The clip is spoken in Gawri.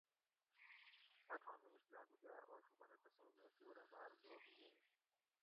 اتھاں مِیش جادوگاۤر آشو پرہ تسیں نیکو رہ باۤر لوب ییگ